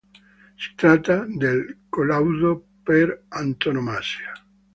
Si tratta del collaudo per antonomasia.